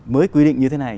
mới quy định như thế này